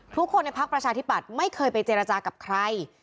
ทุกคนในพักประชาธิปัตย์ไม่เคยไปเจรจากับใคร